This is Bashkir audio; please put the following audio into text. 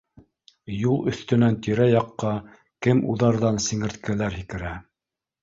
Юл өҫтөнән тирә-яҡҡа кем уҙарҙан сиңерткәләр һикерә